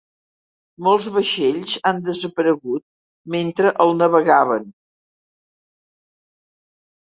Molts vaixells han desaparegut mentre el navegaven.